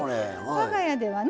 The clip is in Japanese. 我が家ではね